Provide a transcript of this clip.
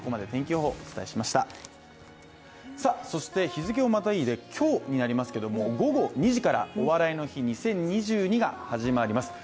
日付をまたいで今日になりますけども午後２時から「お笑いの日２０２２」が始まります。